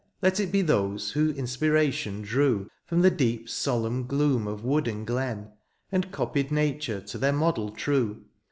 Let it be those who inspiration drew From the deep solemn gloom of wood and glen^ And copied nature to their model true.